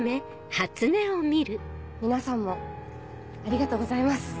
皆さんもありがとうございます。